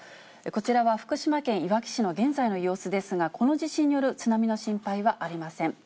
こちらは福島県いわき市の現在の様子ですが、この地震による津波の心配はありません。